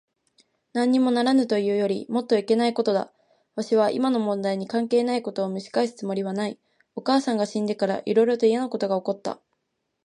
なんにもならぬというよりもっといけないことだ。わしは今の問題に関係ないことをむし返すつもりはない。お母さんが死んでから、いろいろといやなことが起った。